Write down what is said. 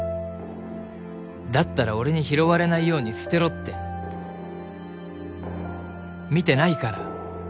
だったら俺に拾われないように捨てろって見てないから。